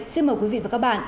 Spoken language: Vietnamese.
xin mời quý vị và các bạn